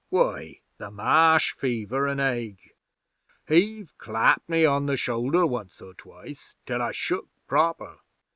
'Why, the Marsh fever an' ague. He've clapped me on the shoulder once or twice till I shook proper.